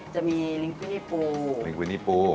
จะมีลิงกวินี่ปู